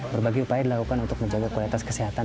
berbagai upaya dilakukan untuk menjaga kualitas kesehatan